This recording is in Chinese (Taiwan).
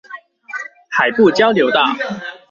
海埔交流道